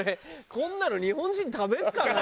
こんなの日本人食べるかな？